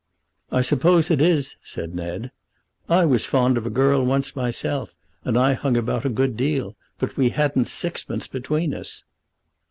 "I suppose it is," said Ned. "I was fond of a girl once myself, and I hung about a good deal. But we hadn't sixpence between us."